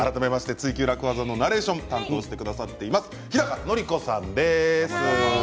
「ツイＱ楽ワザ」のナレーションを担当してくださっている日高のり子さんです。